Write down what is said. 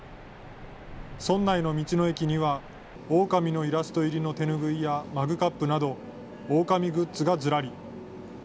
村内の道の駅には、オオカミのイラスト入りの手拭いやマグカップなど、オオカミグッズがずらり。